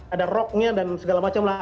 ada rocknya dan segala macam lah